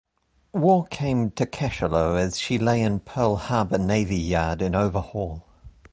War came to "Cachalot" as she lay in Pearl Harbor Navy Yard in overhaul.